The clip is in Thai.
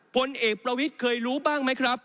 พลเอกประวิทย์เคยรู้บ้างไหมครับ